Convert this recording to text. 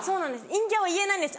陰キャは言えないんです